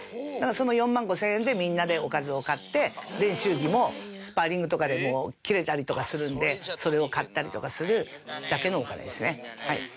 その４万５０００円でみんなでおかずを買って練習着もスパーリングとかで切れたりとかするんでそれを買ったりとかするだけのお金ですね。